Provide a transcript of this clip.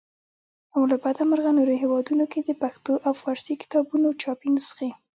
او له بده مرغه نورو هیوادونو کې د پښتو او فارسي کتابونو چاپي نخسې.